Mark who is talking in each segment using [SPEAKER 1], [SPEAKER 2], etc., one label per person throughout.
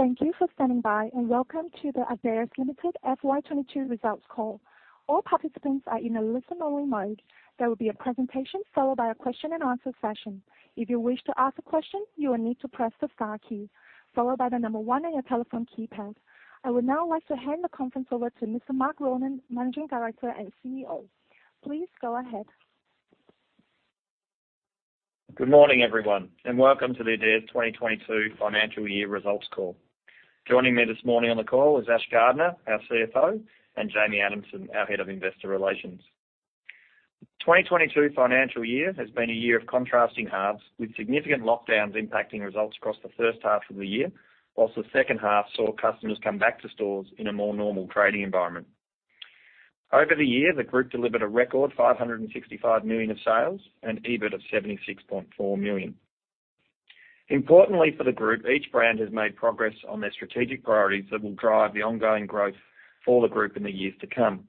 [SPEAKER 1] Thank you for standing by, and welcome to the Adairs Limited FY 2022 results call. All participants are in a listen-only mode. There will be a presentation followed by a question and answer session. If you wish to ask a question, you will need to press the star key followed by 1 on your telephone keypad. I would now like to hand the conference over to Mr. Mark Ronan, Managing Director and CEO. Please go ahead.
[SPEAKER 2] Good morning, everyone, and welcome to the Adairs 2022 financial year results call. Joining me this morning on the call is Ashley Gardner, our CFO, and Jamie Adamson, our Head of Investor Relations. The 2022 financial year has been a year of contrasting halves, with significant lockdowns impacting results across the first half of the year, while the second half saw customers come back to stores in a more normal trading environment. Over the year, the group delivered a record 565 million of sales and EBIT of 76.4 million. Importantly for the group, each brand has made progress on their strategic priorities that will drive the ongoing growth for the group in the years to come.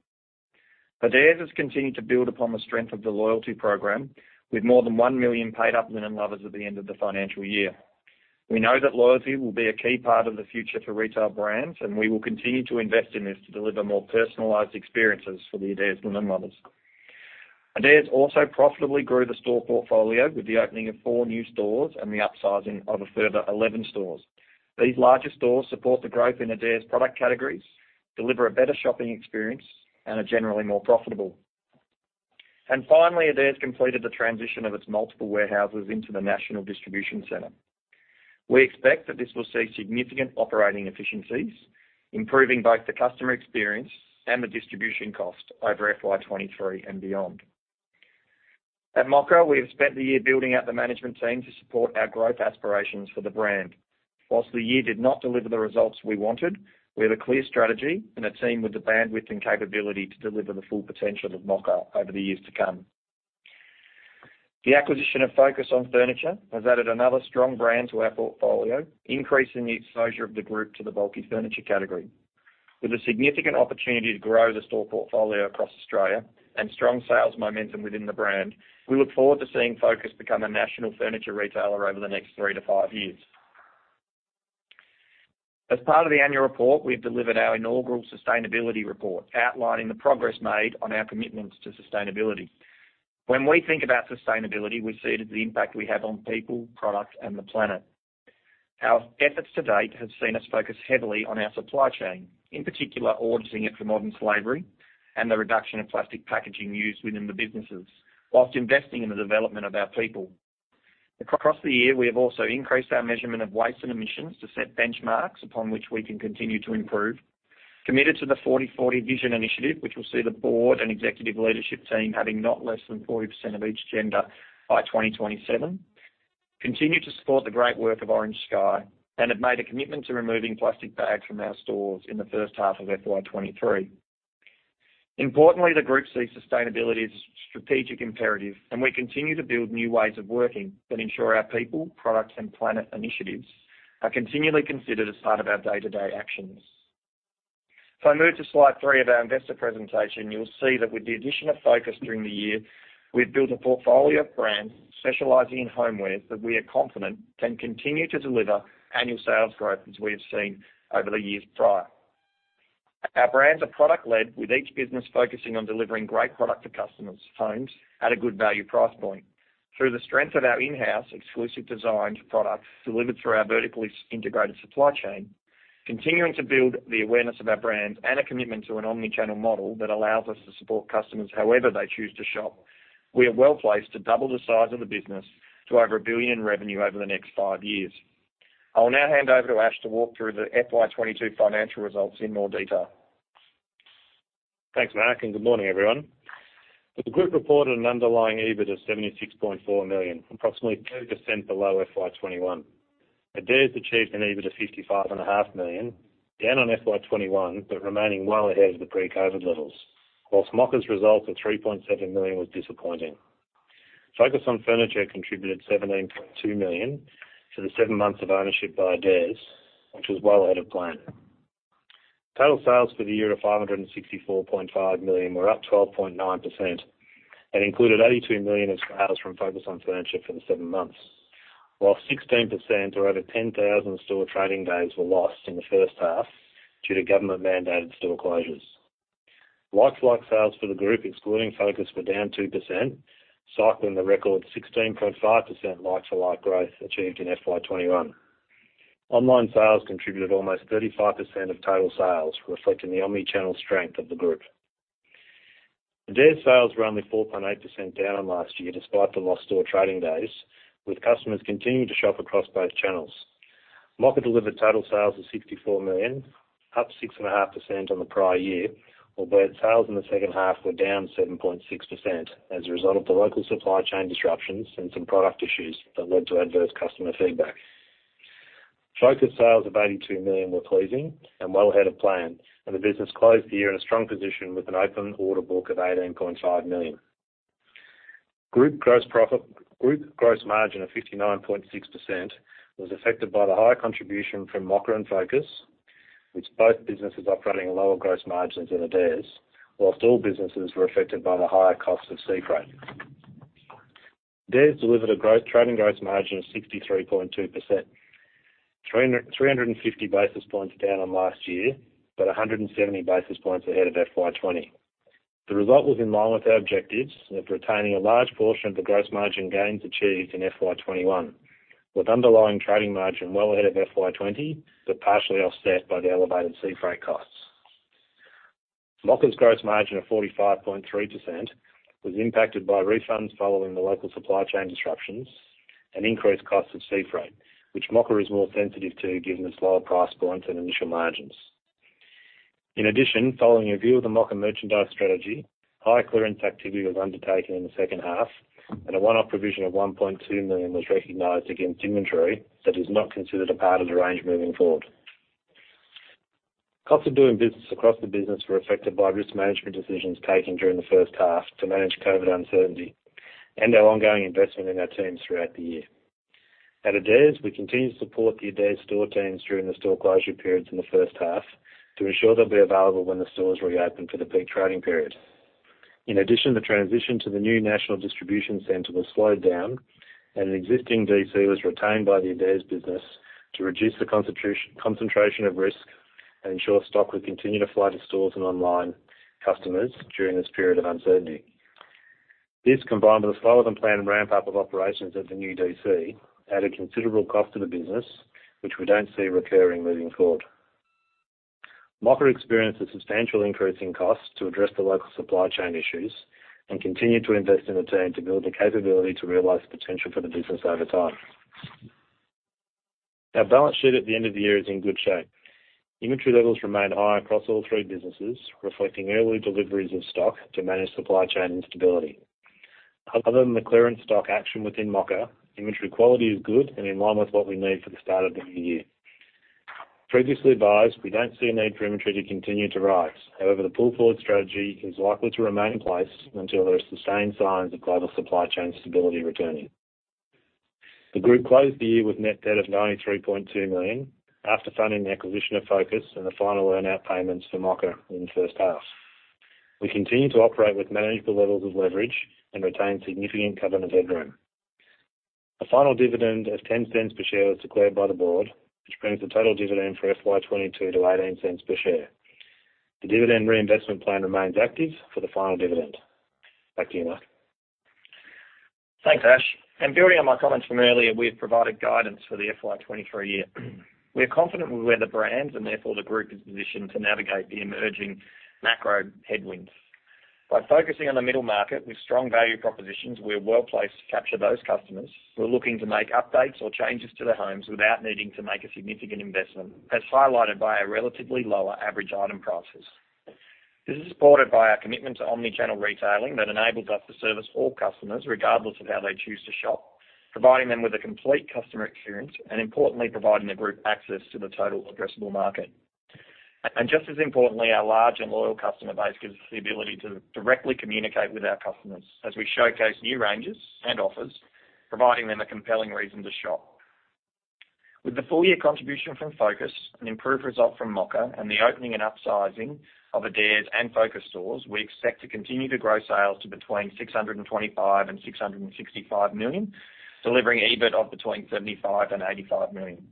[SPEAKER 2] Adairs has continued to build upon the strength of the loyalty program, with more than one million paid-up Linen Lovers at the end of the financial year. We know that loyalty will be a key part of the future for retail brands, and we will continue to invest in this to deliver more personalized experiences for the Adairs Linen Lovers. Adairs also profitably grew the store portfolio with the opening of four new stores and the upsizing of a further 11 stores. These larger stores support the growth in Adairs' product categories, deliver a better shopping experience, and are generally more profitable. Finally, Adairs completed the transition of its multiple warehouses into the National Distribution Center. We expect that this will see significant operating efficiencies, improving both the customer experience and the distribution cost over FY 2023 and beyond. At Mocka, we have spent the year building out the management team to support our growth aspirations for the brand. While the year did not deliver the results we wanted, we have a clear strategy and a team with the bandwidth and capability to deliver the full potential of Mocka over the years to come. The acquisition of Focus on Furniture has added another strong brand to our portfolio, increasing the exposure of the group to the bulky furniture category. With a significant opportunity to grow the store portfolio across Australia and strong sales momentum within the brand, we look forward to seeing Focus become a national furniture retailer over the next three to five years. As part of the annual report, we've delivered our inaugural sustainability report outlining the progress made on our commitments to sustainability. When we think about sustainability, we see it as the impact we have on people, product, and the planet. Our efforts to date have seen us focus heavily on our supply chain, in particular, auditing it for modern slavery and the reduction of plastic packaging used within the businesses while investing in the development of our people. Across the year, we have also increased our measurement of waste and emissions to set benchmarks upon which we can continue to improve. Committed to the 40:40 Vision initiative, which will see the board and executive leadership team having not less than 40% of each gender by 2027. Continue to support the great work of Orange Sky, and have made a commitment to removing plastic bags from our stores in the first half of FY 2023. Importantly, the group sees sustainability as a strategic imperative, and we continue to build new ways of working that ensure our people, products, and planet initiatives are continually considered as part of our day-to-day actions. If I move to slide three of our investor presentation, you'll see that with the addition of Focus on Furniture during the year, we've built a portfolio of brands specializing in homewares that we are confident can continue to deliver annual sales growth as we have seen over the years prior. Our brands are product-led, with each business focusing on delivering great product to customers' homes at a good value price point. Through the strength of our in-house exclusively designed products delivered through our vertically integrated supply chain, continuing to build the awareness of our brands and a commitment to an omni-channel model that allows us to support customers however they choose to shop, we are well-placed to double the size of the business to over 1 billion in revenue over the next five years. I will now hand over to Ash to walk through the FY 2022 financial results in more detail.
[SPEAKER 3] Thanks, Mark, and good morning, everyone. The group reported an underlying EBIT of 76.4 million, approximately 2% below FY 2021. Adairs achieved an EBIT of 55.5 million, down on FY 2021, but remaining well ahead of the pre-COVID levels. While Mocka's result of 3.7 million was disappointing. Focus on Furniture contributed 17.2 million to the seven months of ownership by Adairs, which was well ahead of plan. Total sales for the year of 564.5 million were up 12.9% and included 82 million of sales from Focus on Furniture for the seven months. While 16% or over 10,000 store trading days were lost in the first half due to government-mandated store closures. Like-for-like sales for the group, excluding Focus, were down 2%, cycling the record 16.5% like-for-like growth achieved in FY21. Online sales contributed almost 35% of total sales, reflecting the omni-channel strength of the group. Adairs sales were only 4.8% down on last year, despite the lost store trading days, with customers continuing to shop across both channels. Mocka delivered total sales of 64 million, up 6.5% on the prior year, albeit sales in the second half were down 7.6% as a result of the local supply chain disruptions and some product issues that led to adverse customer feedback. Focus sales of 82 million were pleasing and well ahead of plan, and the business closed the year in a strong position with an open order book of 18.5 million. Group gross margin of 59.6% was affected by the higher contribution from Mocka and Focus, with both businesses operating at lower gross margins than Adairs, while all businesses were affected by the higher cost of sea freight. Adairs delivered a trading gross margin of 63.2%. 350 basis points down on last year, but 170 basis points ahead of FY 2020. The result was in line with our objectives of retaining a large portion of the gross margin gains achieved in FY 2021, with underlying trading margin well ahead of FY 2020, but partially offset by the elevated sea freight costs. Mocka's gross margin of 45.3% was impacted by refunds following the local supply chain disruptions and increased costs of sea freight, which Mocka is more sensitive to given the slower price points and initial margins. In addition, following a review of the Mocka merchandise strategy, high clearance activity was undertaken in the second half, and a one-off provision of 1.2 million was recognized against inventory that is not considered a part of the range moving forward. Costs of doing business across the business were affected by risk management decisions taken during the first half to manage COVID uncertainty and our ongoing investment in our teams throughout the year. At Adairs, we continue to support the Adairs store teams during the store closure periods in the first half to ensure they'll be available when the stores reopen for the peak trading period. In addition, the transition to the new national distribution center was slowed down, and an existing DC was retained by the Adairs business to reduce the concentration of risk and ensure stock would continue to flow to stores and online customers during this period of uncertainty. This, combined with a slower-than-planned ramp-up of operations at the new DC, added considerable cost to the business, which we don't see recurring moving forward. Mocka experienced a substantial increase in costs to address the local supply chain issues and continued to invest in the team to build the capability to realize the potential for the business over time. Our balance sheet at the end of the year is in good shape. Inventory levels remain high across all three businesses, reflecting early deliveries of stock to manage supply chain instability. Other than the clearance stock action within Mocka, inventory quality is good and in line with what we need for the start of the new year. Previously advised, we don't see a need for inventory to continue to rise. However, the pull-forward strategy is likely to remain in place until there are sustained signs of global supply chain stability returning. The group closed the year with net debt of 93.2 million after funding the acquisition of Focus and the final earn-out payments for Mocka in the first half. We continue to operate with manageable levels of leverage and retain significant covenant headroom. A final dividend of 0.10 per share was declared by the board, which brings the total dividend for FY 2022 to 0.18 per share. The dividend reinvestment plan remains active for the final dividend. Back to you, Mark.
[SPEAKER 2] Thanks, Ash. Building on my comments from earlier, we have provided guidance for the FY 2023 year. We are confident with where the brands and therefore the group is positioned to navigate the emerging macro headwinds. By focusing on the middle market with strong value propositions, we are well-placed to capture those customers who are looking to make updates or changes to their homes without needing to make a significant investment, as highlighted by our relatively lower average item prices. This is supported by our commitment to omni-channel retailing that enables us to service all customers regardless of how they choose to shop, providing them with a complete customer experience, and importantly, providing the group access to the total addressable market. Just as importantly, our large and loyal customer base gives us the ability to directly communicate with our customers as we showcase new ranges and offers, providing them a compelling reason to shop. With the full-year contribution from Focus, an improved result from Mocka, and the opening and upsizing of Adairs and Focus stores, we expect to continue to grow sales to between 625 million and 665 million, delivering EBIT of between 75 million and 85 million.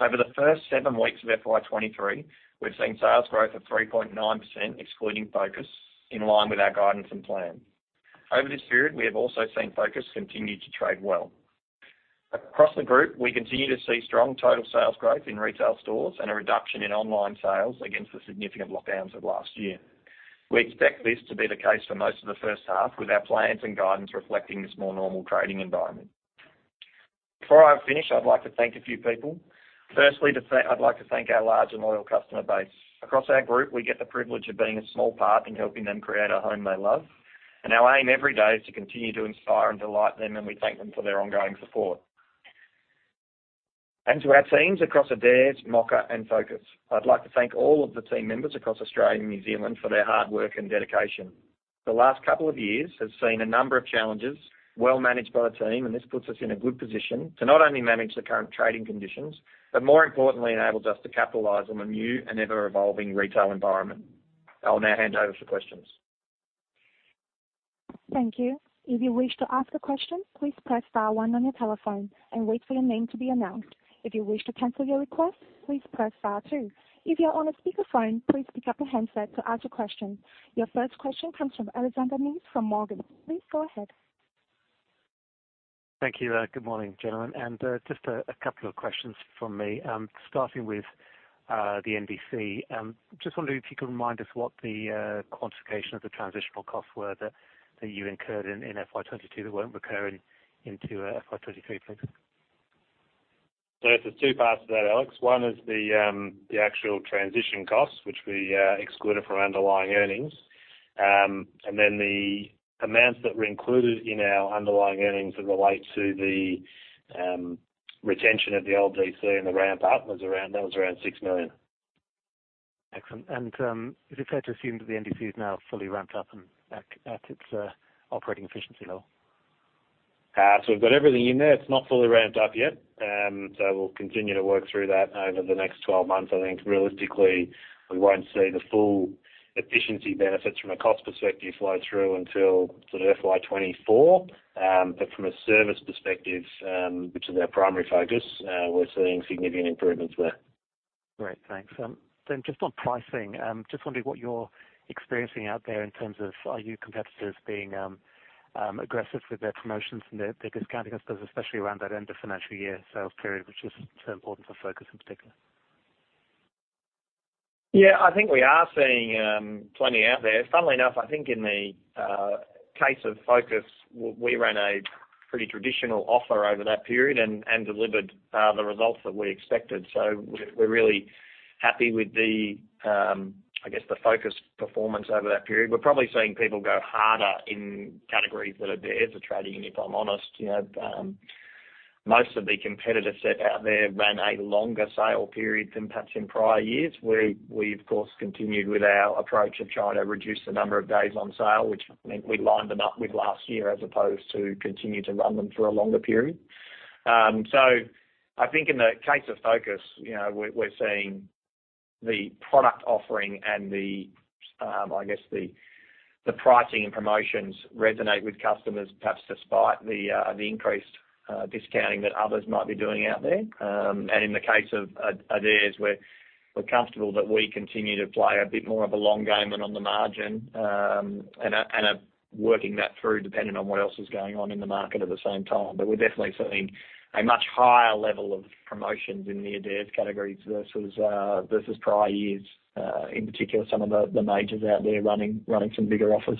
[SPEAKER 2] Over the first seven weeks of FY 2023, we've seen sales growth of 3.9% excluding Focus, in line with our guidance and plan. Over this period, we have also seen Focus continue to trade well. Across the group, we continue to see strong total sales growth in retail stores and a reduction in online sales against the significant lockdowns of last year. We expect this to be the case for most of the first half, with our plans and guidance reflecting this more normal trading environment. Before I finish, I'd like to thank a few people. I'd like to thank our large and loyal customer base. Across our group, we get the privilege of being a small part in helping them create a home they love, and our aim every day is to continue to inspire and delight them, and we thank them for their ongoing support. To our teams across Adairs, Mocka, and Focus, I'd like to thank all of the team members across Australia and New Zealand for their hard work and dedication. The last couple of years have seen a number of challenges well managed by the team, and this puts us in a good position to not only manage the current trading conditions, but more importantly enables us to capitalize on the new and ever-evolving retail environment. I'll now hand over for questions.
[SPEAKER 1] Thank you. If you wish to ask a question, please press star one on your telephone and wait for your name to be announced. If you wish to cancel your request, please press star two. If you are on a speakerphone, please pick up your handset to ask your question. Your first question comes from Alex Mead from Morgan Stanley. Please go ahead.
[SPEAKER 4] Thank you. Good morning, gentlemen. Just a couple of questions from me, starting with the NDC. Just wondering if you could remind us what the quantification of the transitional costs were that you incurred in FY 2022 that won't recur into FY 2023, please.
[SPEAKER 3] There's two parts to that, Alex. One is the actual transition costs which we excluded from underlying earnings. Then the amounts that were included in our underlying earnings that relate to the retention of the old DC and the ramp-up was around 6 million.
[SPEAKER 4] Excellent. Is it fair to assume that the NDC is now fully ramped up and back at its operating efficiency level?
[SPEAKER 3] We've got everything in there. It's not fully ramped up yet.
[SPEAKER 2] We'll continue to work through that over the next 12 months. I think realistically, we won't see the full efficiency benefits from a cost perspective flow through until sort of FY 2024. From a service perspective, which is our primary focus, we're seeing significant improvements there.
[SPEAKER 4] Great. Thanks. Just on pricing, just wondering what you're experiencing out there in terms of are your competitors being aggressive with their promotions and their discounting, especially around that end of financial year sales period, which is so important for Focus in particular?
[SPEAKER 2] Yeah, I think we are seeing plenty out there. Funnily enough, I think in the case of Focus, we ran a pretty traditional offer over that period and delivered the results that we expected. We're really happy with the, I guess, the Focus performance over that period. We're probably seeing people go harder in categories that are there for trading, if I'm honest, you know. Most of the competitor set out there ran a longer sale period than perhaps in prior years. We of course continued with our approach of trying to reduce the number of days on sale, which meant we lined them up with last year as opposed to continue to run them for a longer period. I think in the case of Focus, you know, we're seeing the product offering and, I guess, the pricing and promotions resonate with customers, perhaps despite the increased discounting that others might be doing out there. In the case of Adairs, we're comfortable that we continue to play a bit more of a long game and on the margin and are working that through depending on what else is going on in the market at the same time. We're definitely seeing a much higher level of promotions in the Adairs categories versus prior years. In particular, some of the majors out there running some bigger offers.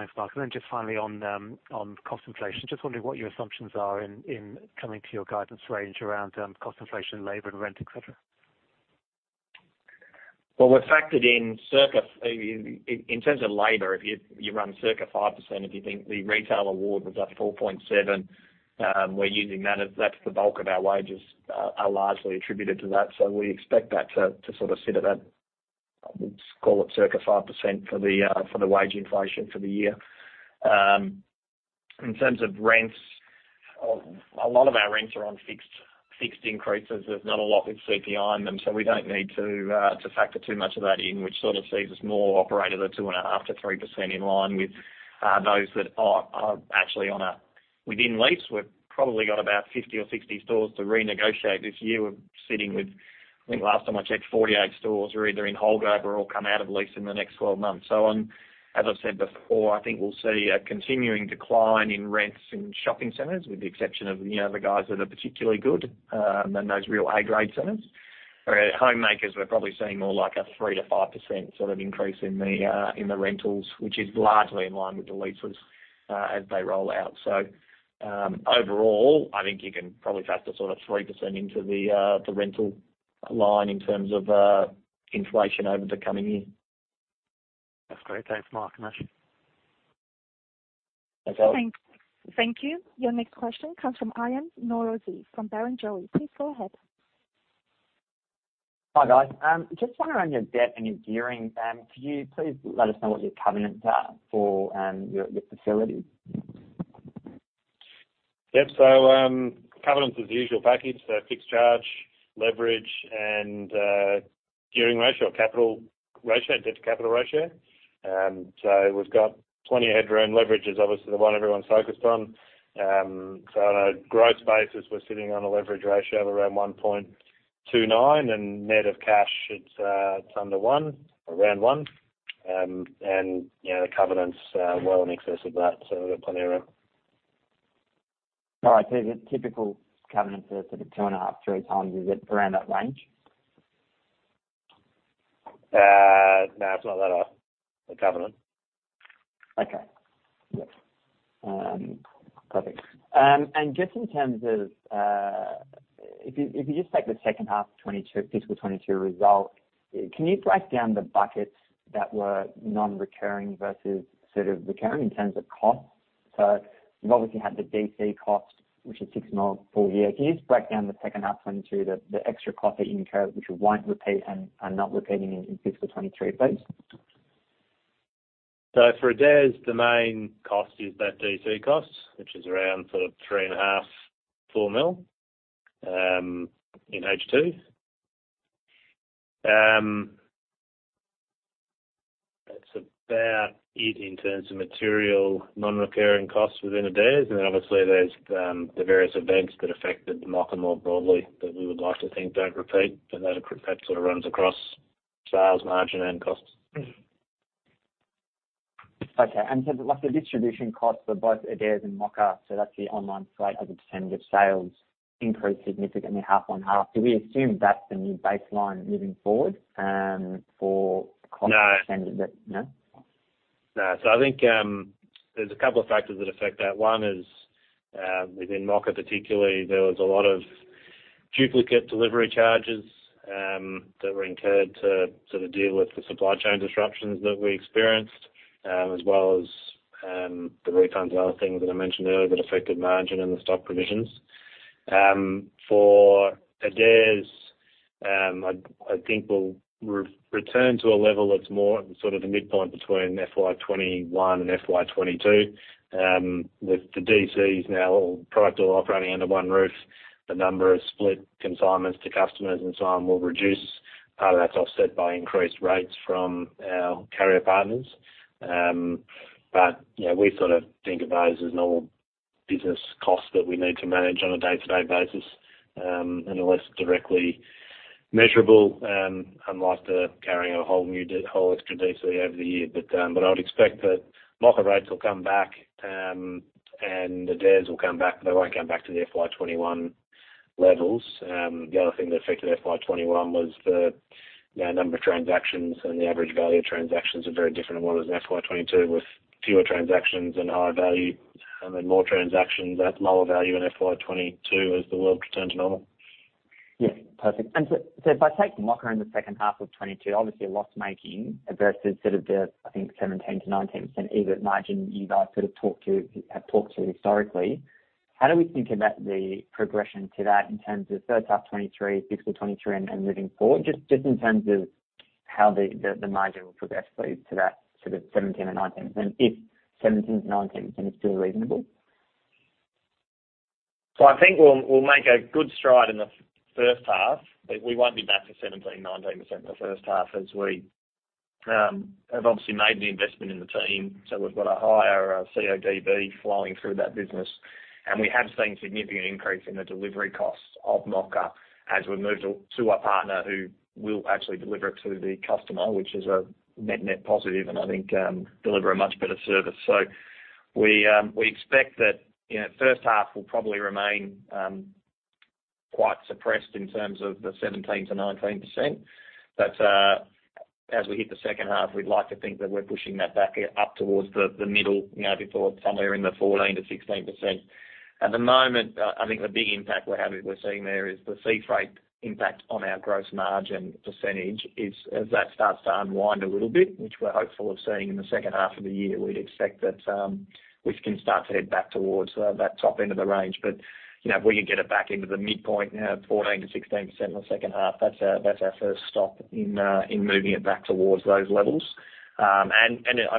[SPEAKER 4] Thanks, Mark. Just finally on cost inflation. Just wondering what your assumptions are in coming to your guidance range around cost inflation, labor and rent, et cetera.
[SPEAKER 2] We're factored in circa 5%. In terms of labor, if you run circa 5%, if you think the retail award was up 4.7%, we're using that as that's the bulk of our wages are largely attributed to that. We expect that to sort of sit at that, let's call it circa 5% for the wage inflation for the year. In terms of rents, a lot of our rents are on fixed increases. There's not a lot with CPI on them, so we don't need to factor too much of that in which sort of sees us more operating at the 2.5%-3% in line with those that are actually on a CPI lease. We've probably got about 50 or 60 stores to renegotiate this year. We're sitting with, I think last time I checked, 48 stores are either in holdover or come out of lease in the next 12 months. On, as I've said before, I think we'll see a continuing decline in rents in shopping centers, with the exception of, you know, the guys that are particularly good, and those real A-grade centers. For Homemakers, we're probably seeing more like a 3%-5% sort of increase in the rentals, which is largely in line with the leases as they roll out. Overall, I think you can probably factor sort of 3% into the rental line in terms of inflation over the coming year.
[SPEAKER 4] That's great. Thanks, Mark. I appreciate it.
[SPEAKER 2] Thanks, Alex Mead.
[SPEAKER 1] Thank you. Your next question comes from Aryan Norozi from Barrenjoey. Please go ahead.
[SPEAKER 5] Hi, guys. Just one around your debt and your gearing. Could you please let us know what your covenants are for your facility?
[SPEAKER 2] Yep. Covenants is the usual package, so fixed charge, leverage and gearing ratio, capital ratio, debt to capital ratio. We've got plenty of headroom. Leverage is obviously the one everyone's focused on. On a growth basis, we're sitting on a leverage ratio of around 1.29, and net of cash, it's under one or around one. You know, the covenant's well in excess of that, so we've got plenty of room.
[SPEAKER 5] All right. The typical covenant for sort of 2.5-3 times, is it around that range?
[SPEAKER 2] No, it's not that high, the covenant.
[SPEAKER 5] Okay. Yep. Perfect. Just in terms of, if you just take the second half of 2022 fiscal 2022 result, can you break down the buckets that were non-recurring versus sort of recurring in terms of costs? So you've obviously had the DC cost, which is 6 million full year. Can you just break down the second half 2022, the extra cost that you incurred, which you won't repeat and are not repeating in fiscal 2023, please.
[SPEAKER 2] For Adairs, the main cost is that DC cost, which is around sort of 3.5 million-4 million in H2. That's about it in terms of material non-recurring costs within Adairs. Then obviously, there's the various events that affected Mocka more broadly that we would like to think don't repeat, but that sort of runs across sales margin and costs.
[SPEAKER 5] Okay. Like the distribution costs for both Adairs and Mocka, so that's the online site as a percentage of sales increased significantly half-on-half. Do we assume that's the new baseline moving forward, for cost-
[SPEAKER 2] No.
[SPEAKER 5] No?
[SPEAKER 2] I think there's a couple of factors that affect that. One is, within Mocka particularly, there was a lot of duplicate delivery charges that were incurred to sort of deal with the supply chain disruptions that we experienced, as well as the returns and other things that I mentioned earlier that affected margin and the stock provisions. For Adairs, I think we'll return to a level that's more the midpoint between FY 2021 and FY 2022. With the DCs now all products operating under one roof, the number of split consignments to customers and so on will reduce. Part of that's offset by increased rates from our carrier partners. You know, we sort of think of those as normal business costs that we need to manage on a day-to-day basis, and are less directly measurable, unlike carrying a whole extra DC over the year. I would expect that Mocka rates will come back, and the Adairs will come back, but they won't come back to the FY 2021 levels. The other thing that affected FY 2021 was the, you know, number of transactions, and the average value of transactions are very different from what it was in FY 2022 with fewer transactions and higher value, and then more transactions at lower value in FY 2022 as the world returned to normal.
[SPEAKER 5] Yes. Perfect. If I take Mocka in the second half of 2022, obviously loss-making versus sort of the, I think, 17%-19% EBIT margin you guys sort of talked to have talked to historically, how do we think about the progression to that in terms of first half 2023, fiscal 2023 and moving forward, just in terms of how the margin will progress, sort of, to that sort of 17%-19%, if 17%-19% is still reasonable?
[SPEAKER 2] I think we'll make a good stride in the first half, but we won't be back to 17%-19% in the first half as we have obviously made the investment in the team. We've got a higher CODB flowing through that business. We have seen significant increase in the delivery costs of Mocka as we moved to a partner who will actually deliver it to the customer, which is a net-net positive and I think deliver a much better service. We expect that, you know, first half will probably remain quite suppressed in terms of the 17%-19%. As we hit the second half, we'd like to think that we're pushing that back up towards the middle, you know, before somewhere in the 14%-16%. At the moment, I think the big impact we're seeing there is the sea freight impact on our gross margin percentage as that starts to unwind a little bit, which we're hopeful of seeing in the second half of the year, we'd expect that we can start to head back towards that top end of the range. You know, if we can get it back into the midpoint, you know, 14%-16% in the second half, that's our first stop in moving it back towards those levels. I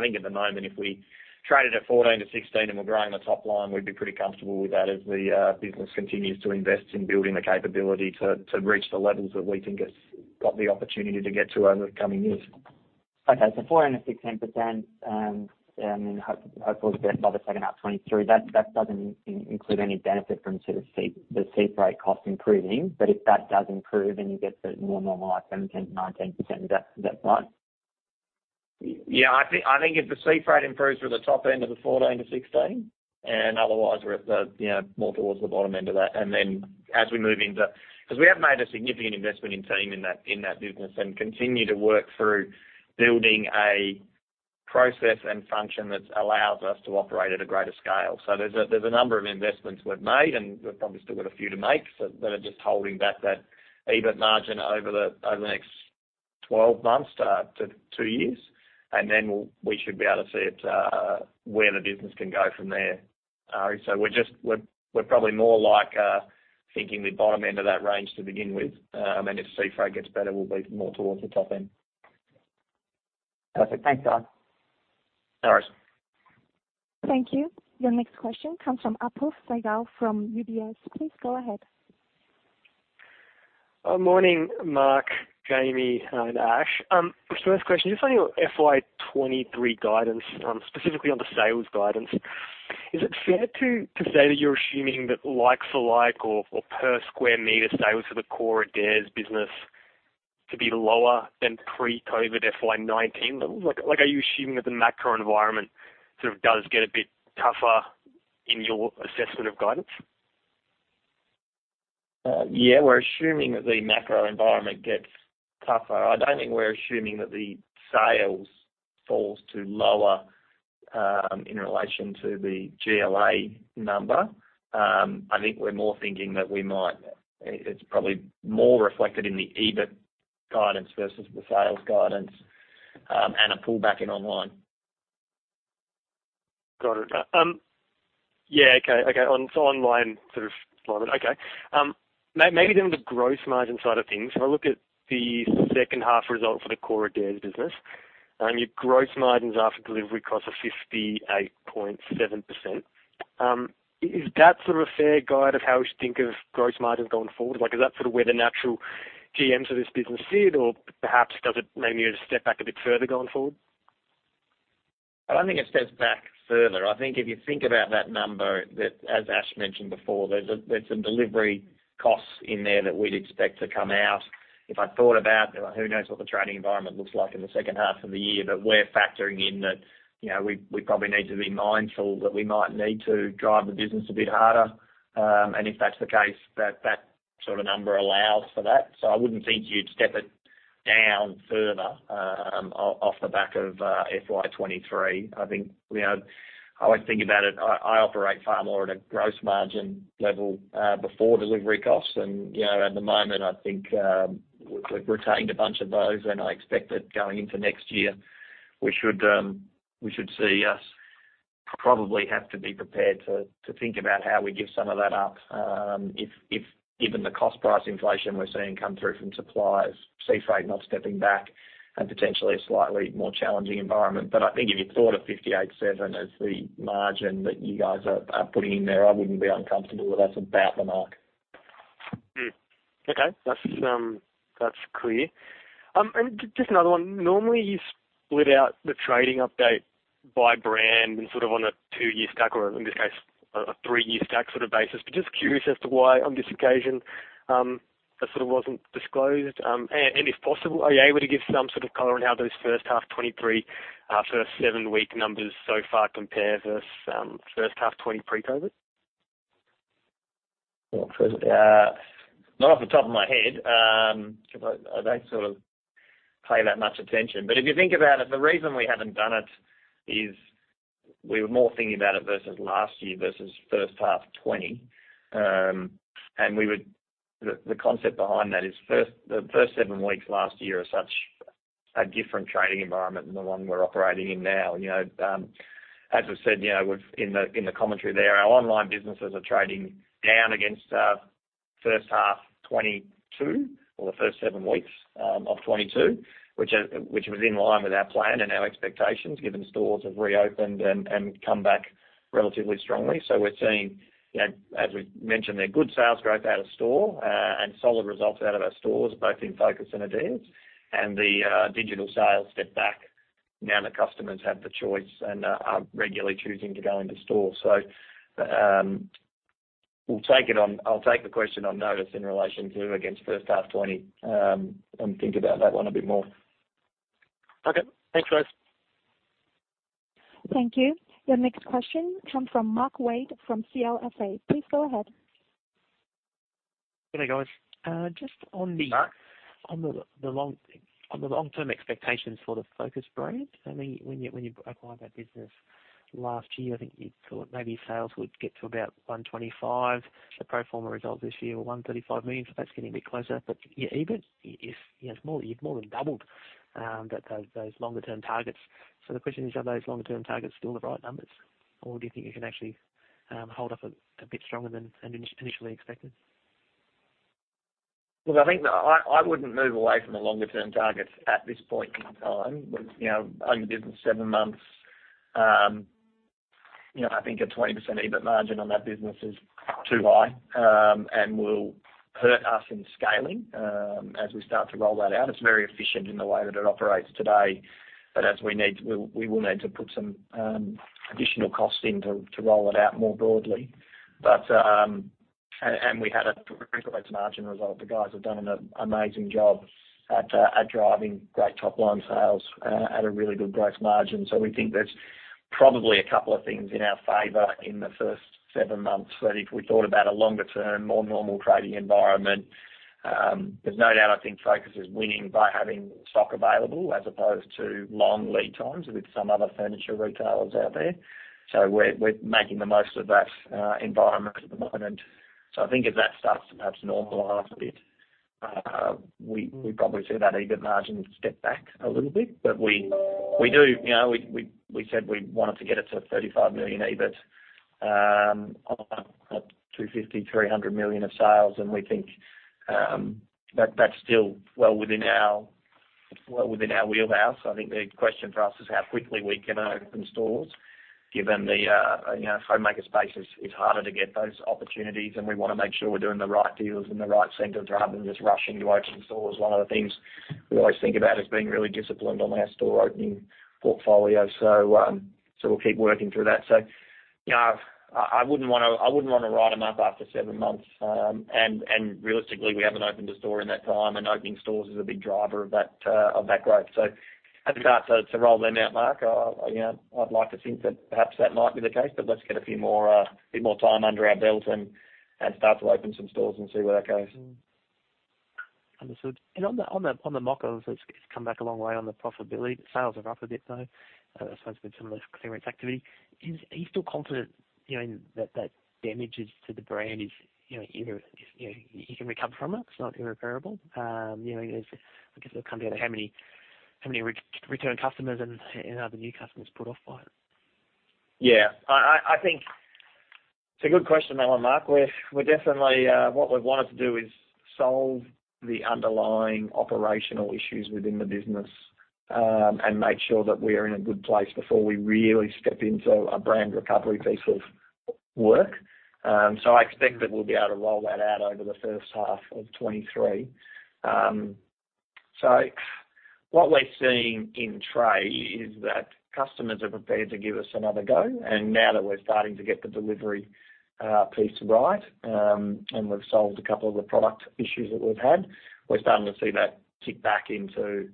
[SPEAKER 2] think at the moment, if we traded at 14-16 and we're growing the top line, we'd be pretty comfortable with that as the business continues to invest in building the capability to reach the levels that we think it's got the opportunity to get to over the coming years.
[SPEAKER 5] 14%-16%, and then hopeful to get by the second half 2023, that doesn't include any benefit from sort of the sea freight cost improving. If that does improve, then you get the more normalized 17%-19%. Is that right?
[SPEAKER 2] Yeah, I think if the sea freight improves to the top end of the 14-16, and otherwise we're at the, you know, more towards the bottom end of that. Because we have made a significant investment in team in that business and continue to work through building a process and function that allows us to operate at a greater scale. There's a number of investments we've made, and we've probably still got a few to make, so that are just holding back that EBIT margin over the next 12 months to two years. We should be able to see where the business can go from there. We're probably more like thinking the bottom end of that range to begin with. If sea freight gets better, we'll be more towards the top end.
[SPEAKER 5] Perfect. Thanks, Guy.
[SPEAKER 2] No worries.
[SPEAKER 1] Thank you. Your next question comes from Apoorv Saigal from UBS. Please go ahead.
[SPEAKER 6] Morning, Mark, Jamie, and Ashley. First question, just on your FY 2023 guidance, specifically on the sales guidance, is it fair to say that you're assuming that like-for-like or per square meter sales for the Core Adairs business to be lower than pre-COVID FY 2019 levels? Like, are you assuming that the macro environment sort of does get a bit tougher in your assessment of guidance?
[SPEAKER 2] Yeah. We're assuming that the macro environment gets tougher. I don't think we're assuming that the sales fall too low in relation to the GLA number. I think it's probably more reflected in the EBIT guidance versus the sales guidance, and a pullback in online.
[SPEAKER 6] Got it. Yeah. Online sort of slowing. Maybe then on the gross margin side of things, when I look at the second half result for the core Adairs business, your gross margins after delivery costs are 58.7%. Is that sort of a fair guide of how we should think of gross margins going forward? Like, is that sort of where the natural GMs of this business sit? Or perhaps does it maybe need to step back a bit further going forward?
[SPEAKER 2] I don't think it steps back further. I think if you think about that number, that as Ash mentioned before, there's some delivery costs in there that we'd expect to come out. If I thought about, who knows what the trading environment looks like in the second half of the year? We're factoring in that, you know, we probably need to be mindful that we might need to drive the business a bit harder. If that's the case, that sort of number allows for that. I wouldn't think you'd step it down further, off the back of FY 2023. I think, you know, I would think about it, I operate far more at a gross margin level, before delivery costs. You know, at the moment I think we've retained a bunch of those, and I expect that going into next year, we should see us probably have to be prepared to think about how we give some of that up, if given the cost price inflation we're seeing come through from suppliers, sea freight not stepping back and potentially a slightly more challenging environment. I think if you thought of 58.7% as the margin that you guys are putting in there, I wouldn't be uncomfortable with that. That's about the mark.
[SPEAKER 6] Okay. That's clear. Just another one. Normally, you split out the trading update by brand and sort of on a two-year stack, or in this case, a three-year stack sort of basis. Just curious as to why, on this occasion, that sort of wasn't disclosed. And if possible, are you able to give some sort of color on how those first half 2023, first seven-week numbers so far compare versus first half 2020 pre-COVID?
[SPEAKER 2] Well, not off the top of my head. 'Cause I don't sort of pay that much attention. If you think about it, the reason we haven't done it is we were more thinking about it versus last year versus first half 2020. The concept behind that is the first seven weeks last year are such a different trading environment than the one we're operating in now. You know, as I said, you know, in the commentary there, our online businesses are trading down against first half 2022 or the first seven weeks of 2022, which was in line with our plan and our expectations, given stores have reopened and come back relatively strongly. We're seeing, you know, as we've mentioned there, good sales growth out of store and solid results out of our stores, both in Focus and Adairs. The digital sales step back now that customers have the choice and are regularly choosing to go into store. I'll take the question on notice in relation to against first half 2020 and think about that one a bit more.
[SPEAKER 6] Okay. Thanks, guys.
[SPEAKER 1] Thank you. Your next question comes from Mark Wade from CLSA. Please go ahead.
[SPEAKER 7] Good day, guys. Just on the
[SPEAKER 2] Mark.
[SPEAKER 7] On the long-term expectations for the Focus brand. I mean, when you acquired that business last year, I think you thought maybe sales would get to about 125 million. The pro forma results this year were 135 million. That's getting a bit closer. Your EBIT is, you've more than doubled those longer-term targets. The question is, are those longer-term targets still the right numbers, or do you think you can actually hold up a bit stronger than initially expected?
[SPEAKER 2] Look, I think I wouldn't move away from the longer-term targets at this point in time. You know, owned the business seven months, you know, I think a 20% EBIT margin on that business is too high, and will hurt us in scaling, as we start to roll that out. It's very efficient in the way that it operates today. As we need, we will need to put some additional costs in to roll it out more broadly. We had a great gross margin result. The guys have done an amazing job at driving great top-line sales at a really good gross margin. We think there's probably a couple of things in our favor in the first seven months that if we thought about a longer-term, more normal trading environment, there's no doubt, I think Focus is winning by having stock available as opposed to long lead times with some other furniture retailers out there. We're making the most of that environment at the moment. I think as that starts to perhaps normalize a bit, we probably see that EBIT margin step back a little bit. But we do, you know, we said we wanted to get it to 35 million EBIT on 250-300 million of sales, and we think that that's still well within our wheelhouse. I think the question for us is how quickly we can open stores given the homeware space is harder to get those opportunities, and we wanna make sure we're doing the right deals in the right centers rather than just rushing to open stores. One of the things we always think about is being really disciplined on our store opening portfolio. We'll keep working through that. I wouldn't wanna write them off after seven months. Realistically, we haven't opened a store in that time, and opening stores is a big driver of that growth. As we start to roll them out, Mark, you know, I'd like to think that perhaps that might be the case, but let's get a bit more time under our belt and start to open some stores and see where that goes.
[SPEAKER 7] Understood. On the Mocka, it's come back a long way on the profitability. The sales are up a bit, though. I suppose with some of the clearance activity. Are you still confident, you know, in that damages to the brand is, you know, you can recover from it's not irreparable? You know, I guess it'll come down to how many returned customers and are the new customers put off by it.
[SPEAKER 2] Yeah. I think it's a good question, though, Mark. What we've wanted to do is solve the underlying operational issues within the business, and make sure that we are in a good place before we really step into a brand recovery piece of work. I expect that we'll be able to roll that out over the first half of 2023. What we're seeing in trade is that customers are prepared to give us another go. Now that we're starting to get the delivery piece right, and we've solved a couple of the product issues that we've had, we're starting to see that kick back into,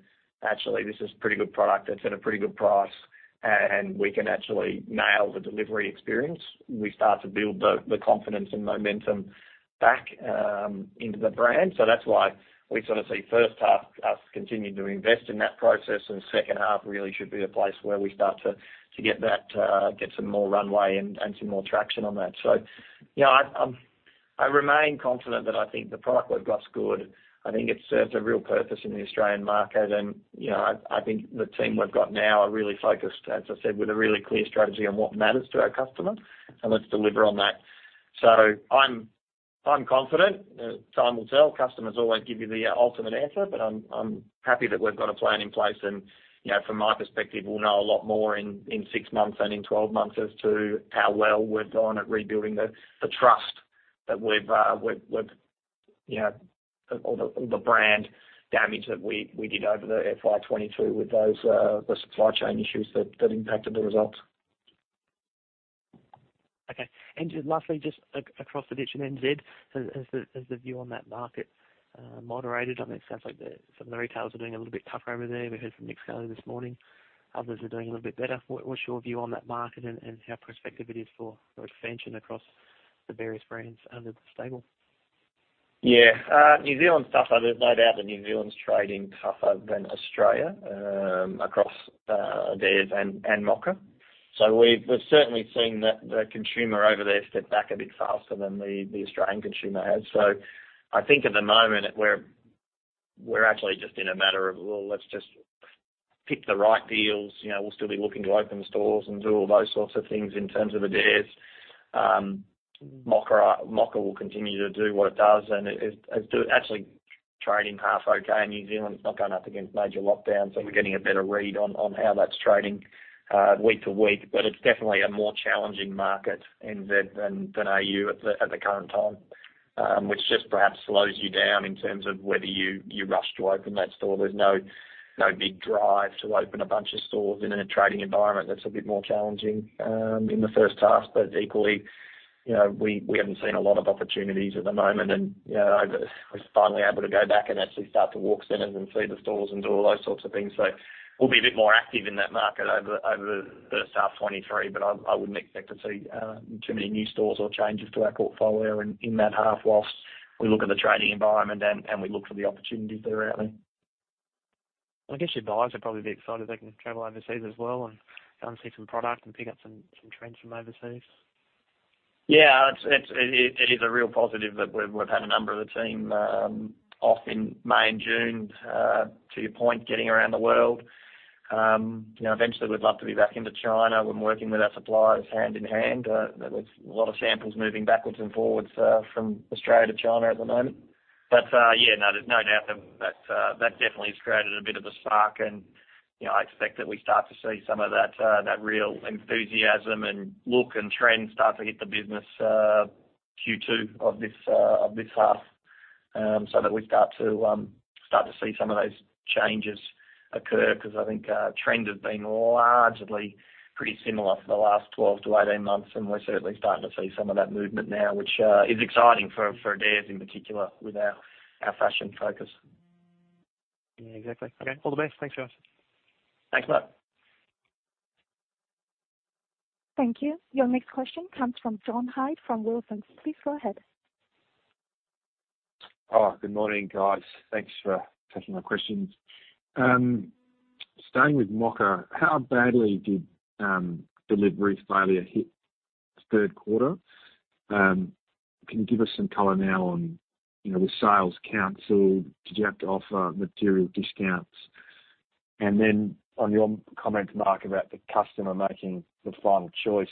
[SPEAKER 2] actually this is pretty good product that's at a pretty good price, and we can actually nail the delivery experience. We start to build the confidence and momentum back into the brand. That's why we sort of see first half us continuing to invest in that process, and second half really should be a place where we start to get some more runway and some more traction on that. You know, I remain confident that I think the product we've got is good. I think it serves a real purpose in the Australian market. You know, I think the team we've got now are really focused, as I said, with a really clear strategy on what matters to our customer, and let's deliver on that. I'm confident. Time will tell. Customers always give you the ultimate answer, but I'm happy that we've got a plan in place. You know, from my perspective, we'll know a lot more in six months and in 12 months as to how well we've done at rebuilding the trust that we've, you know, or the brand damage that we did over the FY 2022 with those, the supply chain issues that impacted the results.
[SPEAKER 7] Okay. Just lastly, just across the ditch in NZ, has the view on that market moderated? I mean, it sounds like some of the retailers are doing a little bit tougher over there. We heard from Nick Scali this morning. Others are doing a little bit better. What's your view on that market and how prospective it is for expansion across the various brands under the stable?
[SPEAKER 2] Yeah. New Zealand's tougher. There's no doubt that New Zealand's trading tougher than Australia across Adairs and Mocka. We've certainly seen that the consumer over there step back a bit faster than the Australian consumer has. I think at the moment we're actually just in a matter of, well, let's just pick the right deals. You know, we'll still be looking to open stores and do all those sorts of things in terms of Adairs. Mocka will continue to do what it does. It is actually trading half okay in New Zealand. It's not going up against major lockdowns, so we're getting a better read on how that's trading week to week. It's definitely a more challenging market, NZ than AU at the current time, which just perhaps slows you down in terms of whether you rush to open that store. There's no big drive to open a bunch of stores in a trading environment that's a bit more challenging in the first half. Equally, you know, we haven't seen a lot of opportunities at the moment and, you know, was finally able to go back and actually start to walk centers and see the stores and do all those sorts of things. We'll be a bit more active in that market over the first half 2023, but I wouldn't expect to see too many new stores or changes to our portfolio in that half while we look at the trading environment and we look for the opportunities out there.
[SPEAKER 7] I guess your buyers are probably a bit excited they can travel overseas as well and go and see some product and pick up some trends from overseas.
[SPEAKER 2] Yeah. It is a real positive that we've had a number of the team off in May and June, to your point, getting around the world. You know, eventually we'd love to be back into China. We've been working with our suppliers hand in hand. There's a lot of samples moving backwards and forwards from Australia to China at the moment. But yeah, no, there's no doubt that that definitely has created a bit of a spark and, you know, I expect that we start to see some of that real enthusiasm and look and trend start to hit the business, Q2 of this half, so that we start to see some of those changes occur. 'Cause I think, trend has been largely pretty similar for the last 12-18 months, and we're certainly starting to see some of that movement now, which is exciting for Adairs in particular with our fashion focus.
[SPEAKER 7] Yeah, exactly. Okay. All the best. Thanks, Mark.
[SPEAKER 2] Thanks, mate.
[SPEAKER 1] Thank you. Your next question comes from John Hyde from Wilsons. Please go ahead.
[SPEAKER 8] Good morning, guys. Thanks for taking my questions. Starting with Mocka, how badly did delivery failure hit third quarter? Can you give us some color now on, you know, the sales canceled? Did you have to offer material discounts? On your comment, Mark, about the customer making the final choice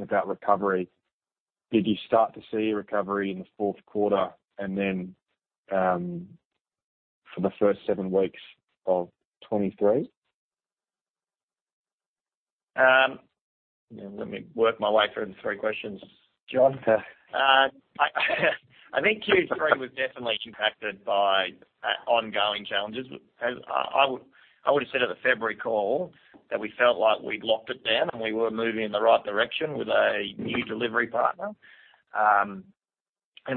[SPEAKER 8] about recovery, did you start to see a recovery in the fourth quarter and then for the first seven weeks of 2023?
[SPEAKER 2] Let me work my way through the three questions, John.
[SPEAKER 8] Sure.
[SPEAKER 2] I think Q3 was definitely impacted by ongoing challenges. As I would have said at the February call that we felt like we'd locked it down and we were moving in the right direction with a new delivery partner.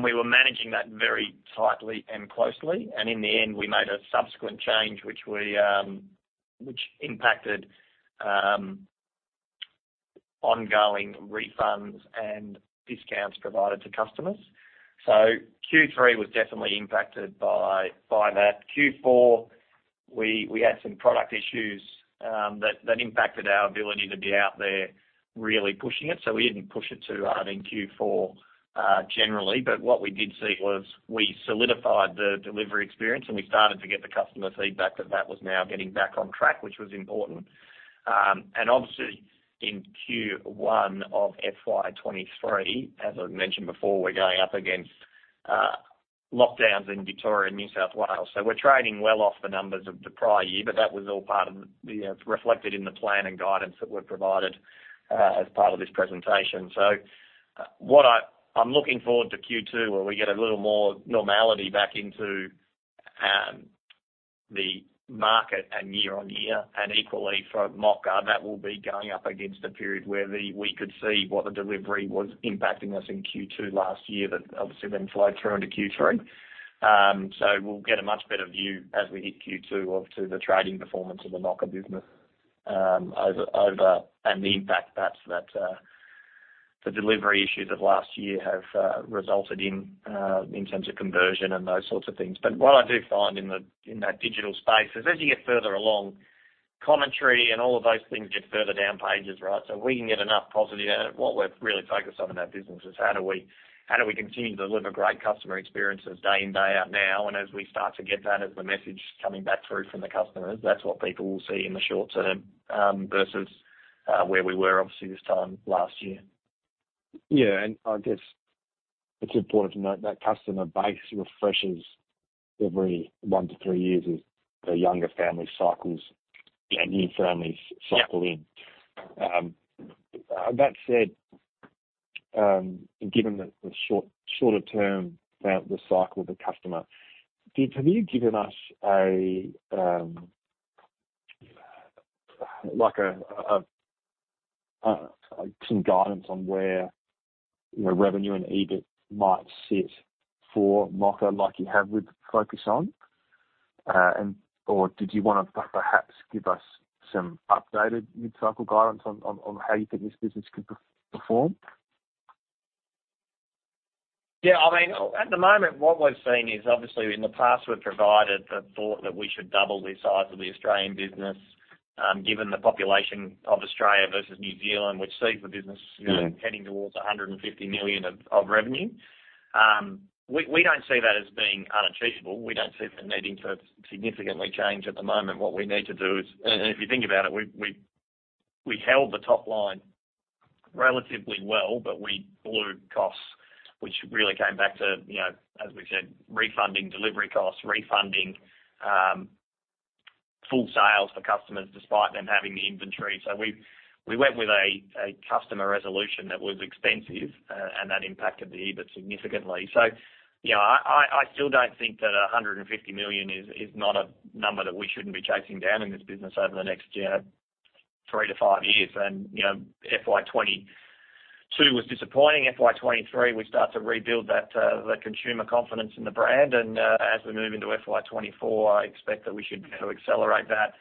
[SPEAKER 2] We were managing that very tightly and closely. In the end, we made a subsequent change, which impacted ongoing refunds and discounts provided to customers. Q3 was definitely impacted by that. Q4, we had some product issues that impacted our ability to be out there really pushing it. We didn't push it too hard in Q4, generally. What we did see was we solidified the delivery experience, and we started to get the customer feedback that that was now getting back on track, which was important. Obviously in Q1 of FY 2023, as I mentioned before, we're going up against lockdowns in Victoria and New South Wales. We're trading well off the numbers of the prior year, but that was all part of the, you know, reflected in the plan and guidance that we've provided as part of this presentation. I'm looking forward to Q2, where we get a little more normality back into the market and year-on-year and equally from Mocka, that will be going up against a period where we could see what the delivery was impacting us in Q2 last year that obviously then flowed through into Q3. We'll get a much better view as we hit Q2 of the trading performance of the Mocka business overall and the impact perhaps that the delivery issues of last year have resulted in terms of conversion and those sorts of things. What I do find in that digital space is as you get further along, commentary and all of those things get further down pages, right? What we're really focused on in that business is how do we continue to deliver great customer experiences day in, day out now, and as we start to get that as the message coming back through from the customers, that's what people will see in the short term versus where we were obviously this time last year.
[SPEAKER 8] Yeah. I guess it's important to note that customer base refreshes every 1-3 years as the younger family cycles.
[SPEAKER 2] Yeah.
[SPEAKER 8] new families cycle in. That said, given the shorter term, the cycle of the customer, have you given us like some guidance on where, you know, revenue and EBIT might sit for Mocka like you have with Focus on Furniture? Or did you wanna perhaps give us some updated mid-cycle guidance on how you think this business could perform?
[SPEAKER 2] Yeah, I mean, at the moment what we've seen is obviously in the past we've provided the thought that we should double the size of the Australian business, given the population of Australia versus New Zealand, which sees the business.
[SPEAKER 8] Yeah.
[SPEAKER 2] You know, heading towards 150 million of revenue. We don't see that as being unachievable. We don't see the needing to significantly change at the moment. What we need to do is, and if you think about it, we held the top line relatively well, but we blew costs, which really came back to, you know, as we've said, refunding delivery costs, refunding full sales for customers despite them having the inventory. So we went with a customer resolution that was expensive, and that impacted the EBIT significantly. So, you know, I still don't think that 150 million is not a number that we shouldn't be chasing down in this business over the next, you know, three to five years. You know, FY 2022 was disappointing. FY 2023, we start to rebuild that consumer confidence in the brand. As we move into FY 2024, I expect that we should be able to accelerate that.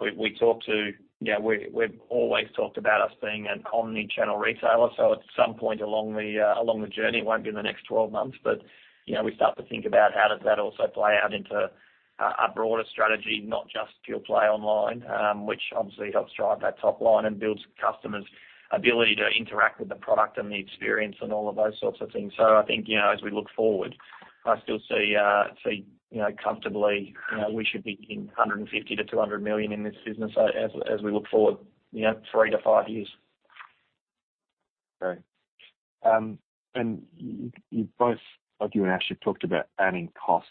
[SPEAKER 2] You know, we've always talked about us being an omni-channel retailer, so at some point along the journey, it won't be in the next 12 months, but, you know, we start to think about how does that also play out into a broader strategy, not just pure play online, which obviously helps drive that top line and builds customers' ability to interact with the product and the experience and all of those sorts of things. I think, you know, as we look forward, I still see, you know, comfortably, you know, we should be in 150 million-200 million in this business as we look forward, you know, three-five years.
[SPEAKER 8] Great. You both, like you and Ashley talked about operating costs,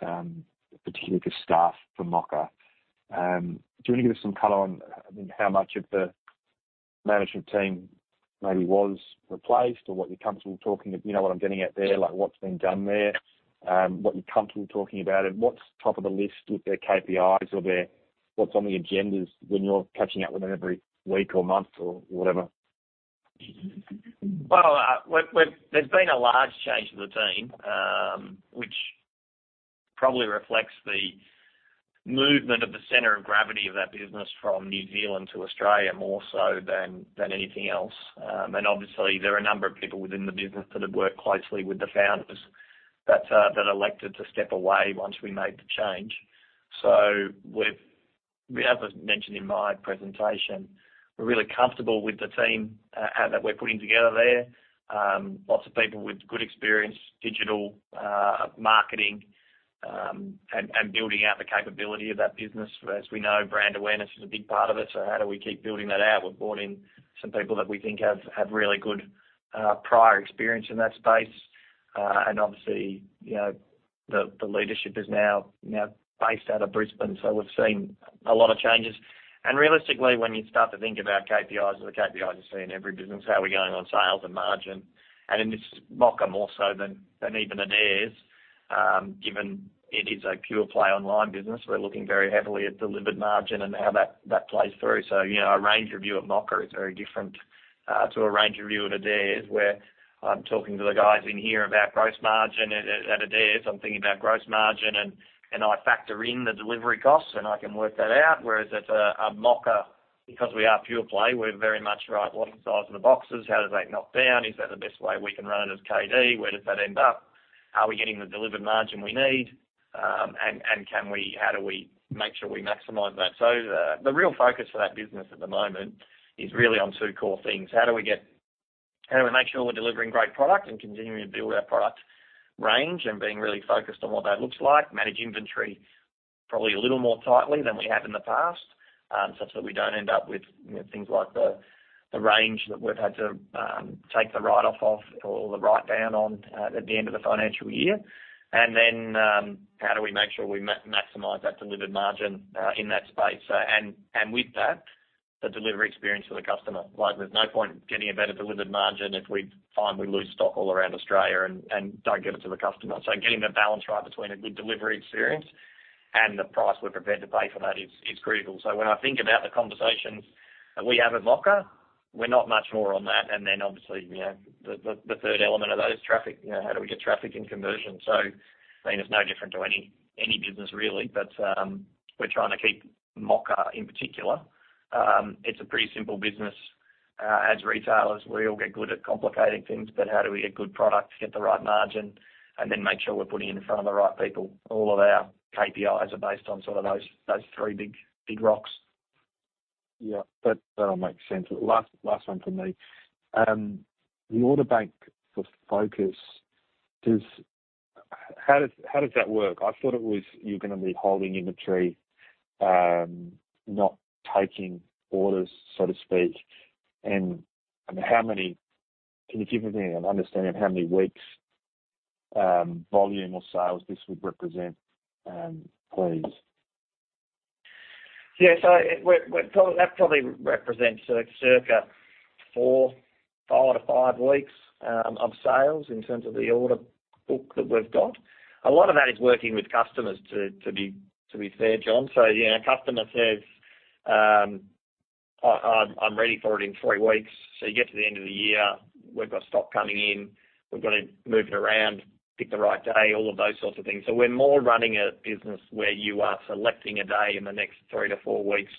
[SPEAKER 8] particularly for staff for Mocka. Do you wanna give us some color on, I mean, how much of the management team maybe was replaced or what you're comfortable talking, you know what I'm getting at there? Like, what's been done there, what you're comfortable talking about and what's top of the list with their KPIs or what's on the agendas when you're catching up with them every week or month or whatever?
[SPEAKER 2] Well, there's been a large change to the team, which probably reflects the movement of the center of gravity of that business from New Zealand to Australia more so than anything else. Obviously, there are a number of people within the business that have worked closely with the founders that elected to step away once we made the change. As I mentioned in my presentation, we're really comfortable with the team that we're putting together there. Lots of people with good experience, digital, marketing, and building out the capability of that business. As we know, brand awareness is a big part of it, so how do we keep building that out? We've brought in some people that we think have really good prior experience in that space. Obviously, you know, the leadership is now based out of Brisbane, so we've seen a lot of changes. Realistically, when you start to think about KPIs or the KPIs you see in every business, how are we going on sales and margin? In this Mocka more so than even Adairs, given it is a pure play online business, we're looking very heavily at delivered margin and how that plays through. You know, a range review of Mocka is very different to a range review of Adairs, where I'm talking to the guys in here about gross margin. At Adairs, I'm thinking about gross margin and I factor in the delivery costs and I can work that out. Whereas at Mocka, because we are pure play, we're very much right, what are the size of the boxes? How does that knock down? Is that the best way we can run it as KD? Where does that end up? Are we getting the delivered margin we need? And how do we make sure we maximize that? The real focus for that business at the moment is really on two core things. How do we make sure we're delivering great product and continuing to build our product range and being really focused on what that looks like? Manage inventory probably a little more tightly than we have in the past, such that we don't end up with, you know, things like the range that we've had to take the write-off of or the write-down on at the end of the financial year. How do we make sure we maximize that delivered margin in that space? With that, the delivery experience for the customer. Like, there's no point getting a better delivered margin if we find we lose stock all around Australia and don't give it to the customer. Getting the balance right between a good delivery experience and the price we're prepared to pay for that is crucial. When I think about the conversations that we have at Mocka, we're not much more on that. Obviously, you know, the third element of that is traffic. You know, how do we get traffic and conversion? I mean, it's no different to any business really, but we're trying to keep Mocka in particular. It's a pretty simple business. As retailers, we all get good at complicating things, but how do we get good products, get the right margin, and then make sure we're putting it in front of the right people? All of our KPIs are based on sort of those three big rocks.
[SPEAKER 8] Yeah. That, that'll make sense. Last one from me. The order bank for Focus, how does that work? I thought it was you're gonna be holding inventory, not taking orders, so to speak. I mean, can you give me an understanding of how many weeks volume or sales this would represent, please?
[SPEAKER 2] That probably represents sort of circa four-five weeks of sales in terms of the order book that we've got. A lot of that is working with customers to be fair, John. You know, a customer says, "I'm ready for it in three weeks." You get to the end of the year, we've got stock coming in, we've gotta move it around, pick the right day, all of those sorts of things. We're more running a business where you are selecting a day in the next three-four weeks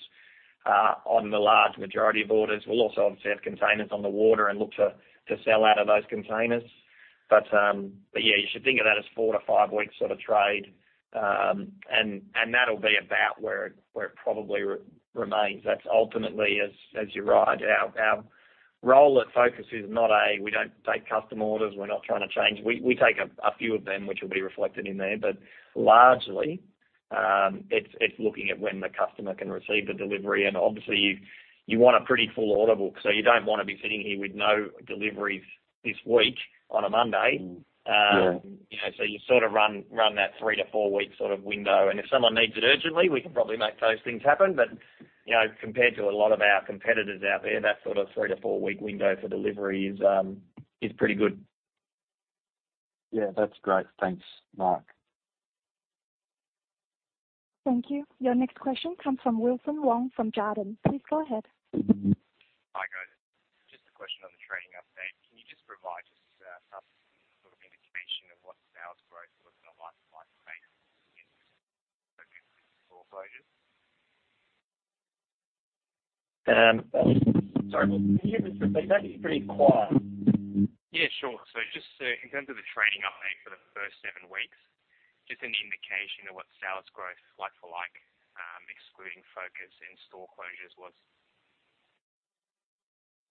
[SPEAKER 2] on the large majority of orders. We'll also obviously have containers on the water and look to sell out of those containers. Yeah, you should think of that as four-five weeks sort of trade. That'll be about where it probably remains. That's ultimately as you're right, our role at Focus is not, we don't take custom orders. We're not trying to change. We take a few of them, which will be reflected in there. But largely, it's looking at when the customer can receive the delivery. Obviously you want a pretty full order book, so you don't wanna be sitting here with no deliveries this week on a Monday.
[SPEAKER 8] Yeah.
[SPEAKER 2] You know, you sort of run that three-four-week sort of window. If someone needs it urgently, we can probably make those things happen. You know, compared to a lot of our competitors out there, that sort of three-four-week window for delivery is pretty good.
[SPEAKER 8] Yeah, that's great. Thanks, Mark.
[SPEAKER 1] Thank you. Your next question comes from Wilson Wong from Jarden. Please go ahead.
[SPEAKER 9] Hi, guys. Just a question on the trading update. Can you just provide a sort of indication of what sales growth looks like on a like-for-like basis in store closures?
[SPEAKER 2] Sorry, that was pretty quiet.
[SPEAKER 9] Yeah, sure. Just in terms of the trading update for the first seven weeks, just an indication of what sales growth like-for-like, excluding Focus and store closures was?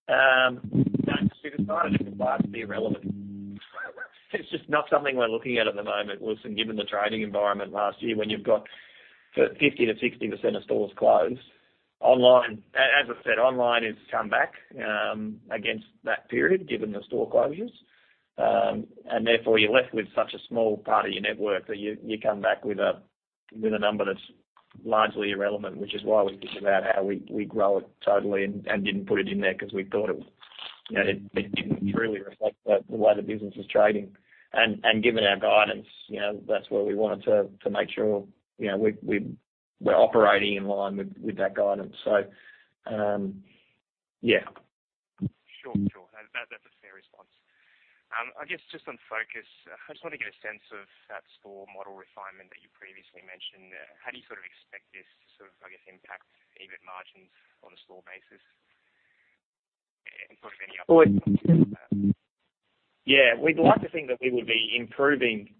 [SPEAKER 2] No, because I just find it to be irrelevant. It's just not something we're looking at at the moment, Wilsons, given the trading environment last year when you've got 50%-60% of stores closed. Online, as I said, online has come back against that period given the store closures. Therefore, you're left with such a small part of your network that you come back with a number that's largely irrelevant, which is why we think about how we grow it totally and didn't put it in there 'cause we thought it, you know, it didn't truly reflect the way the business was trading. Given our guidance, you know, that's where we wanted to make sure, you know, we're operating in line with that guidance. Yeah.
[SPEAKER 9] Sure. That's a fair response. I guess just on Focus, I just wanna get a sense of that store model refinement that you previously mentioned. How do you sort of expect this to, I guess, impact EBIT margins on a store basis and sort of any other-
[SPEAKER 2] Well
[SPEAKER 9] -uh,
[SPEAKER 2] Yeah. We'd like to think that we would be improving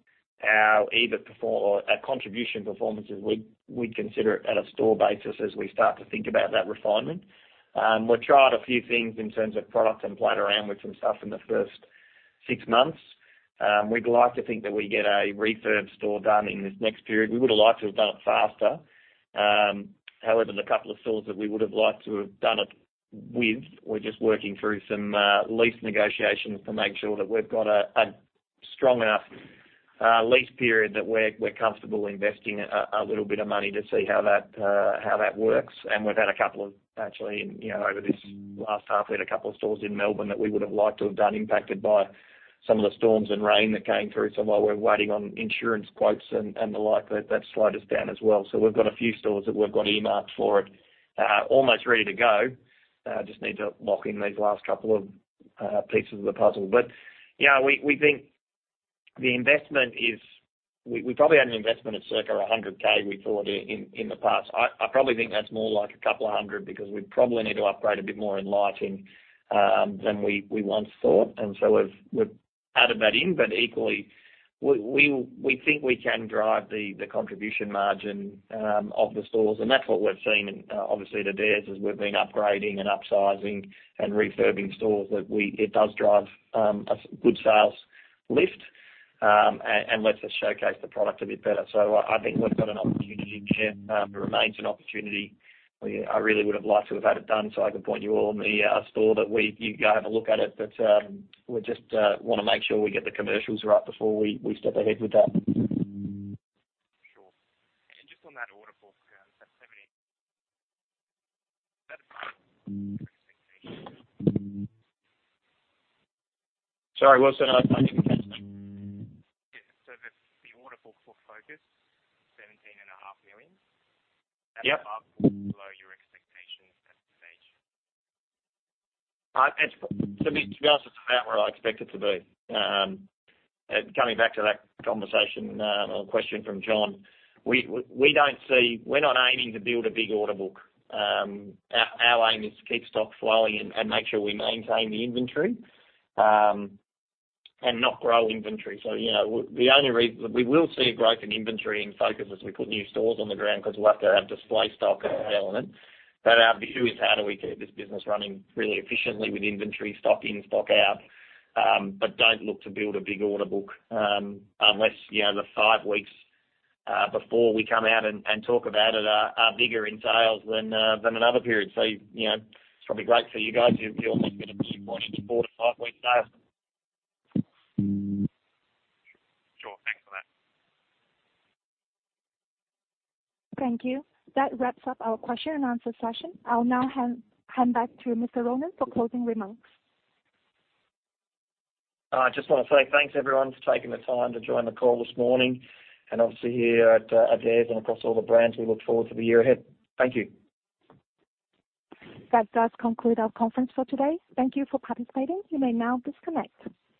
[SPEAKER 2] our EBIT or our contribution performances. We'd consider it at a store basis as we start to think about that refinement. We've tried a few things in terms of product and played around with some stuff in the first six months. We'd like to think that we get a refurb store done in this next period. We would have liked to have done it faster. However, the couple of stores that we would have liked to have done it with, we're just working through some lease negotiations to make sure that we've got a strong enough lease period that we're comfortable investing a little bit of money to see how that works. We've had a couple of actually, you know, over this last half, we had a couple of stores in Melbourne that we would have liked to have done impacted by some of the storms and rain that came through. While we're waiting on insurance quotes and the like, that slowed us down as well. We've got a few stores that we've got earmarked for it, almost ready to go. Just need to lock in these last couple of pieces of the puzzle. Yeah, we think the investment. We probably had an investment of circa 100,000 we thought in the past. I probably think that's more like a couple of hundred because we probably need to upgrade a bit more in lighting than we once thought. We've added that in, but equally, we think we can drive the contribution margin of the stores. That's what we've seen in, obviously at Adairs, as we've been upgrading and upsizing and refurbishing stores it does drive a good sales lift, and lets us showcase the product a bit better. I think we've got an opportunity there and it remains an opportunity. I really would have liked to have had it done so I could point you all to the store you go have a look at it. We just wanna make sure we get the commercials right before we step ahead with that.
[SPEAKER 9] Sure. Just on that order book, that seventeen-
[SPEAKER 2] Sorry, what was that last question?
[SPEAKER 9] The order book for Focus, AUD 17.5 million.
[SPEAKER 2] Yep.
[SPEAKER 9] Is that above or below your expectations at this stage?
[SPEAKER 2] To be honest, it's about where I expect it to be. Coming back to that conversation or question from John, we're not aiming to build a big order book. Our aim is to keep stock flowing and make sure we maintain the inventory and not grow inventory. You know, we will see a growth in inventory in Focus as we put new stores on the ground 'cause we'll have to have display stock element. Our view is how do we keep this business running really efficiently with inventory stock in, stock out, but don't look to build a big order book unless you know the five weeks before we come out and talk about it are bigger in sales than another period. you know, it's probably great for you guys. You, you'll think we're gonna be pushing four-five weeks out.
[SPEAKER 9] Sure. Thanks for that.
[SPEAKER 1] Thank you. That wraps up our question and answer session. I'll now hand back to Mr. Ronan for closing remarks.
[SPEAKER 2] I just wanna say thanks, everyone, for taking the time to join the call this morning. Obviously here at Adairs and across all the brands, we look forward to the year ahead. Thank you.
[SPEAKER 1] That does conclude our conference for today. Thank you for participating. You may now disconnect.